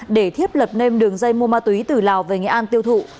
để thiếp lập nêm đường dây mua ma túy từ lào về nghệ an tiêu thụ